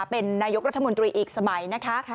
เป็นนายกรัฐมนตรีอีกสมัยนะคะ